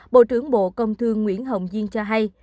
bộ trưởng bộ công thương nguyễn hồng diên cho hay